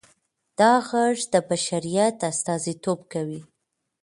دا غږ د بشریت استازیتوب کوي.